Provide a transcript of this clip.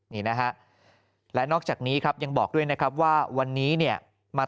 นี่นะฮะและนอกจากนี้ครับยังบอกด้วยนะครับว่าวันนี้เนี่ยมา